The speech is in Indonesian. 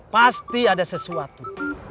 pasti ada sesuatu